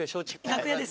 楽屋です。